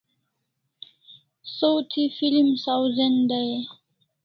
Saw thi film sawzen dai e?